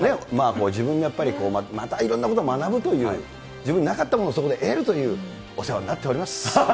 自分もやっぱり、またいろんなことを学ぶという、自分になかったものをそこで得るという、お世話になっております。